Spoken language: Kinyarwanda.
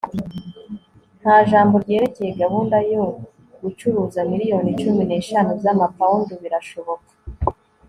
nta jambo ryerekeye gahunda yo gucuruza miliyoni cumi n'eshanu z'amapound - birashoboka